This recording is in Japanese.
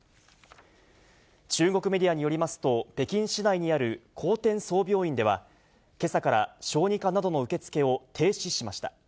中国メディアによりますと、北京市内にある航天総病院では、けさから小児科などの受け付けを停止しました。